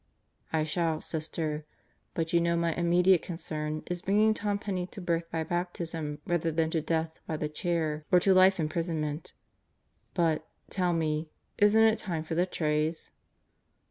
"I shall, Sister. But you know my immediate concern is bring ing Tom Penney to birth by Baptism rather than to death by the chair or to life imprisonment. But, tell me, isn't it time for the trays?"